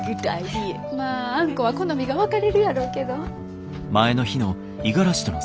まああんこは好みが分かれるやろうけど。